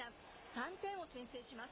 ３点を先制します。